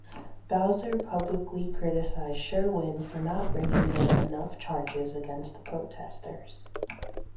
Bowser publicly criticized Sherwin for not bringing enough charges against the protesters.